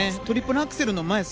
トリプルアクセルの前